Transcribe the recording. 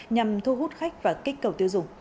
nhằm thu hút khách và kích cầu tiêu dùng